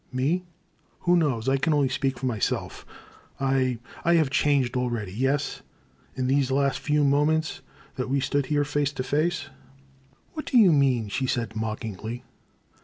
'* "Me?" " Who knows ? I can only speak for myself, — I — I have changed already, — ^yes, in these few mo ments that we stood here face to face —"" What do you mean ?" she said mockingly.